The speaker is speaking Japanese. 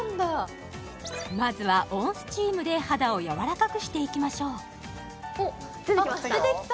まずは温スチームで肌をやわらかくしていきましょうおっ出てきましたあっ出てきた！